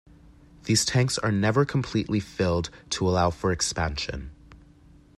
These tanks are never completely filled to allow for expansion.